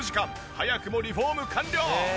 早くもリフォーム完了！